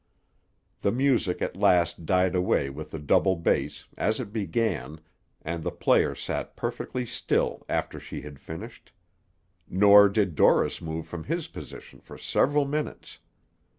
The music at last died away with the double bass, as it began, and the player sat perfectly still after she had finished; nor did Dorris move from his position for several minutes.